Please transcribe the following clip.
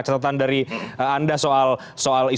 catatan dari anda soal